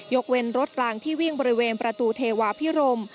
เว้นรถกลางที่วิ่งบริเวณประตูเทวาพิรม